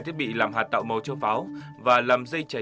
thiết bị làm hạt tạo màu cho pháo và làm dây cháy